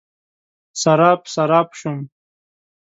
سراب، سراب شوم